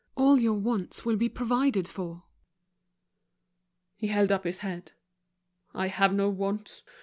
All your wants will be provided for." He held up his head. "I have no wants.